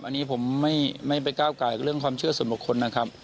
อันนี้ผมไม่ไปก้าวกายกับเรื่องความเชื่อส่วนบุคคลนะครับ